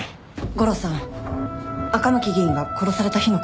悟郎さん赤巻議員が殺された日のことなんだけど。